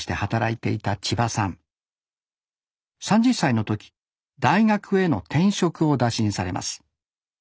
３０歳の時大学への転職を打診されます。